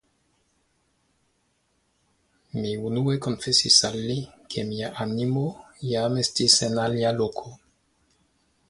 Mi unue konfesis al li, ke mia animo iam estis en alia loko.